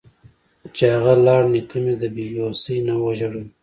چې اغه لاړ نيکه مې د بې وسۍ نه وژړل.